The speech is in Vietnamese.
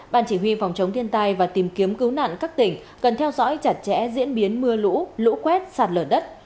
ban chỉ huy phòng chống thiên tai và tìm kiếm cứu nạn các tỉnh cần theo dõi chặt chẽ diễn biến mưa lũ lũ quét sạt lở đất